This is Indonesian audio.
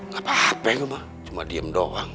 gapapa cuma diem doang